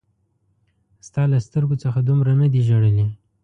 ستا له سترګو څخه دومره نه دي ژړلي